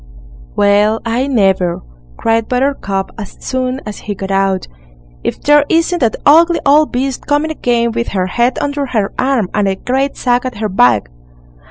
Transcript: "Well, I never!" cried Buttercup, as soon as he got out; "if there isn't that ugly old beast coming again with her head under her arm, and a great sack at her back."